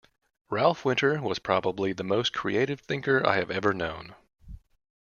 Ralph Winter was probably the most creative thinker I have ever known.